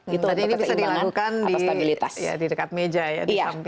jadi ini bisa dilakukan di dekat meja ya di samping kursi